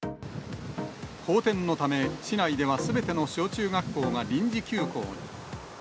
荒天のため、市内ではすべての小中学校が臨時休校に。